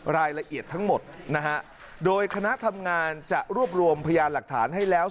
รายละเอียดทั้งหมดนะฮะโดยคณะทำงานจะรวบรวมพยานหลักฐานให้แล้ว